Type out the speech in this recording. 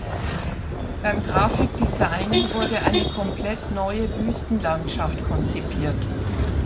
Beim Grafikdesign wurde eine komplett neue Wüstenlandschaft konzipiert.